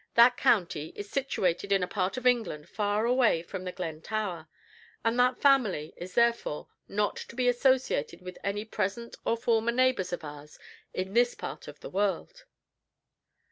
That county is situated in a part of England far away from The Glen Tower, and that family is therefore not to be associated with any present or former neighbors of ours in this part of the world."